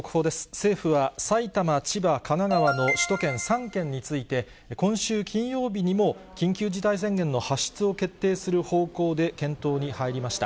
政府は、埼玉、千葉、神奈川の首都圏３県について、今週金曜日にも緊急事態宣言の発出を決定する方向で検討に入りました。